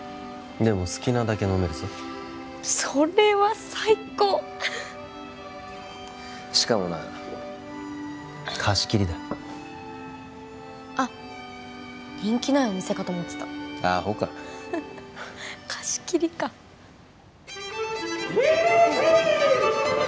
でも好きなだけ飲めるぞそれは最高しかもな貸し切りだあっ人気ないお店かと思ってたアホか貸し切りかヒッヒ！